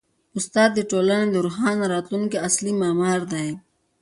استاد د ټولني د روښانه راتلونکي اصلي معمار دی.